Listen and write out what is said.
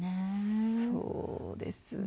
そうですね。